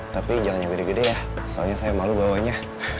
tapi jangan yang gede gede ya soalnya saya malu bawanya